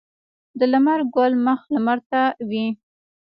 د لمر ګل مخ لمر ته وي